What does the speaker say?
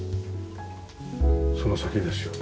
その先ですよね。